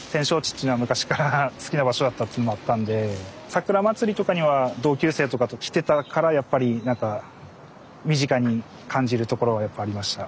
っちゅうのは昔から好きな場所だったっつうのもあったんでさくらまつりとかには同級生とかと来てたからやっぱり何か身近に感じるところはやっぱありました。